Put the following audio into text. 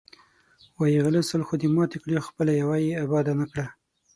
وایی غله سل خونې ماتې کړې، خپله یوه یې اباده نه کړه.